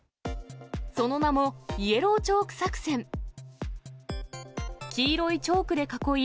その名も、イエローチョーク作戦。